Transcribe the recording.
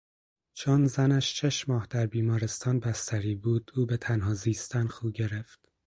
چون زنش شش ماه در بیمارستان بستری بود او به تنها زیستن خو گرفت.